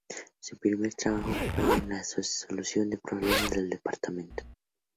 Su primer trabajo fue en la solución de problemas del Departamento.